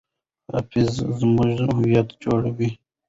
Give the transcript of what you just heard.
حافظه زموږ هویت جوړوي.